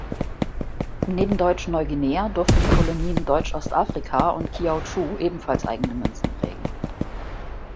Neben Deutsch-Neuguinea durften die Kolonien Deutsch-Ostafrika und Kiautschou ebenfalls eigene Münzen prägen.